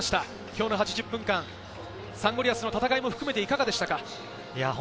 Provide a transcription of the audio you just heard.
今日の８０分間、サンゴリアスの戦いも含めていかがでしたか？